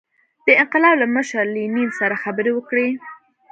د انقلاب له مشر لینین سره خبرې وکړي.